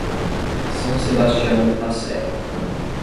São Sebastião do Passé